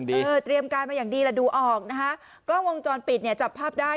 เออเตรียมการมาอย่างดีแหละดูออกนะคะกล้องวงจรปิดเนี่ยจับภาพได้